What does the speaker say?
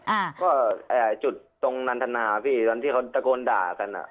อ่ะคือจุดตรงนานธนาพี่ตอนที่เขาตกลด่ากันอะ